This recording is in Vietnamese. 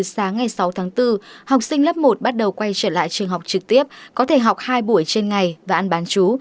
sáng ngày sáu tháng bốn học sinh lớp một bắt đầu quay trở lại trường học trực tiếp có thể học hai buổi trên ngày và ăn bán chú